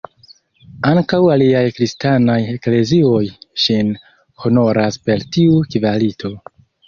Ankaŭ aliaj kristanaj eklezioj ŝin honoras per tiu kvalito.